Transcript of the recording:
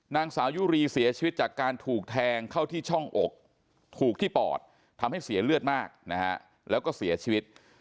นางสาวยุรีเสียชีวิตจากการถูกแทงเข้าที่ช่องอกถูกที่ปอดทำให้เสียเลือดมากนะฮะแล้วก็เสียชีวิต